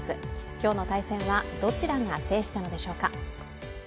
今日の対戦はどちらが制したのでしょうか。